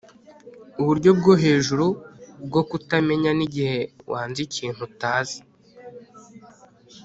uburyo bwo hejuru bwo kutamenya ni igihe wanze ikintu utazi